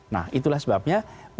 nah itulah sebabnya